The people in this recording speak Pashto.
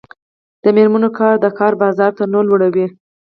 د میرمنو کار د کار بازار تنوع لوړوي.